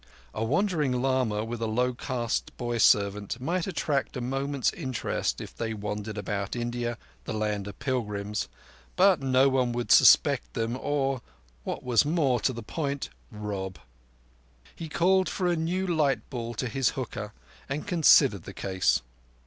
A wandering lama with a low caste boy servant might attract a moment's interest as they wandered about India, the land of pilgrims; but no one would suspect them or, what was more to the point, rob. He called for a new light ball to his hookah, and considered the case.